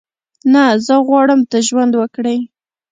نه، زه غواړم ته ژوند وکړې.